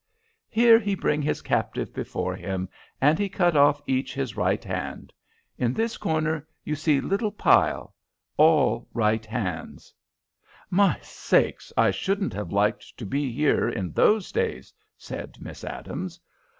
Here he bring his captives before him, and he cut off each his right hand. In this corner you see little pile all right hands." "My sakes, I shouldn't have liked to be here in those days," said Miss Adams.